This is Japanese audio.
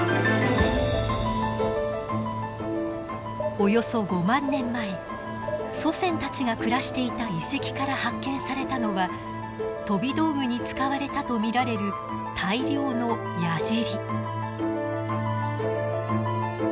およそ５万年前祖先たちが暮らしていた遺跡から発見されたのは飛び道具に使われたと見られる大量の矢じり。